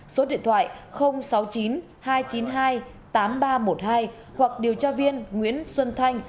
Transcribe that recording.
số điện thoại sáu mươi chín hai trăm chín mươi hai tám nghìn ba trăm một mươi hai hoặc điều tra viên nguyễn xuân thanh